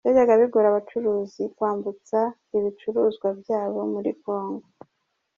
Byajyaga bigora abacuruzi kwambutsa ibicuruzwa byabo muri Congo.